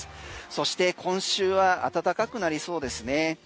そして今週は暖かくなりそうですね。